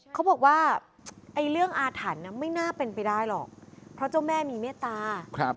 เขาบอกว่าไอ้เรื่องอาถรรพ์ไม่น่าเป็นไปได้หรอกเพราะเจ้าแม่มีเมตตา